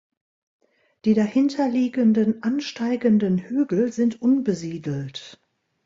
Die dahinter liegenden ansteigenden Hügel sind unbesiedelt.